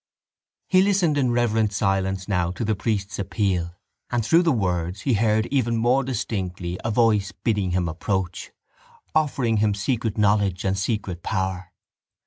He listened in reverent silence now to the priest's appeal and through the words he heard even more distinctly a voice bidding him approach, offering him secret knowledge and secret power.